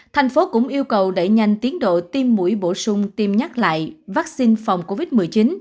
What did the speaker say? thành phố cũng yêu cầu đẩy nhanh tiến độ tiêm mũi bổ sung tiêm nhắc lại vaccine phòng covid một mươi chín